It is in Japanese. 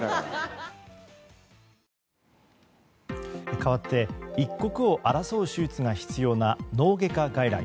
かわって一刻を争う手術が必要な脳外科外来。